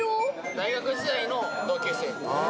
大学時代の同級生。